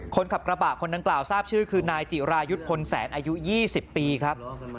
คนขับกระบะคนดังกล่าวทราบชื่อคือนายจิรายุทธ์พลแสนอายุ๒๐ปีครับ